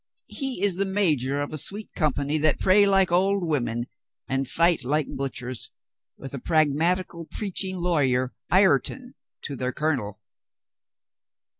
He is the major of a sweet company that pray like old women and fight like butchers, with a pragmatical preaching lawyer Ireton to their colonel.